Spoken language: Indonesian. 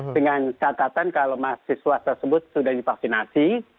dengan catatan kalau mahasiswa tersebut sudah divaksinasi